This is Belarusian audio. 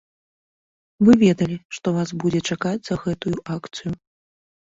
Вы ведалі, што вас будзе чакаць за гэтую акцыю.